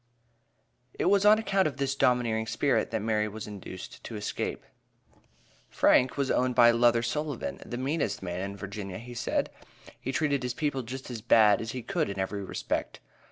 It was on account of this "domineering spirit," that Mary was induced to escape. Frank was owned by Luther Sullivan, "the meanest man in Virginia," he said; he treated his people just as bad as he could in every respect.